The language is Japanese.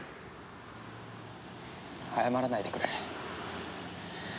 謝らないでくれ。